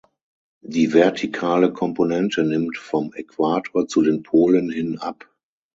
Die vertikale Komponente nimmt vom Äquator zu den Polen hin ab.